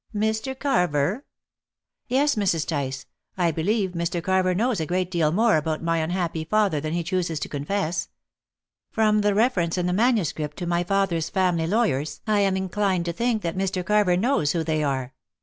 Mr. Carver?" "Yes, Mrs. Tice. I believe Mr. Carver knows a great deal more about my unhappy father than he chooses to confess. From the reference in the manuscript to my father's family lawyers, I am inclined to think that Mr. Carver knows who they are.